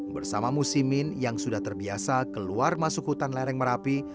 bersama musimin yang sudah terbiasa keluar masuk hutan lereng merapi